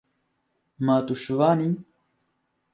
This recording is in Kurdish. Ma tu şivan î?